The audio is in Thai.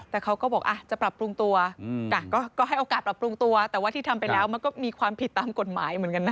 แต่เขาก็บอกจะปรับปรุงตัวก็ให้โอกาสปรับปรุงตัวแต่ว่าที่ทำไปแล้วมันก็มีความผิดตามกฎหมายเหมือนกันนะ